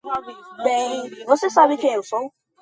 Bem, você sabe quem eu sou.